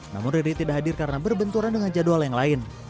namun riri tidak hadir karena berbenturan dengan jadwal yang lain